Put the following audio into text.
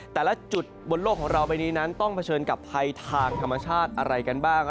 แต่ละจุดบนโลกของเราใบนี้นั้นต้องเผชิญกับภัยทางธรรมชาติอะไรกันบ้าง